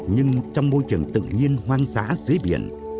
nhưng trong môi trường tự nhiên hoang dã dưới biển